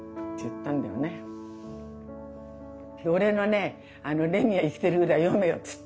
「俺の『レミは生きている』ぐらい読めよ」っつって。